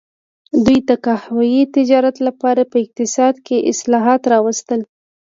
دوی د قهوې تجارت لپاره په اقتصاد کې اصلاحات راوستل.